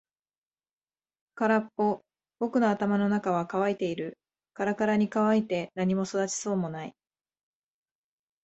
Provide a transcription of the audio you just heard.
空っぽ。僕の頭の中は乾いている。からからに乾いて何も育ちそうもない。